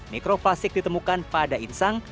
mikroplastik ditemukan pada insang